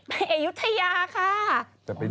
อายุทยาค่ะ